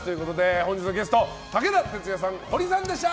本日のゲスト、武田鉄矢さんホリさんでした。